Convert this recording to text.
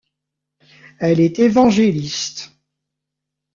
Elle est évangéliste.